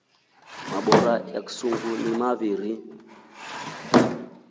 Mabora aksunguu nemaviiri.